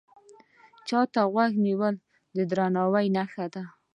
چا ته غوږ نیول د درناوي نښه ده